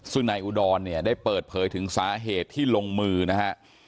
ซึ่งนายอุดรเนี่ยได้เปิดเผยถึงสาเหตุที่ลงมือนะฮะ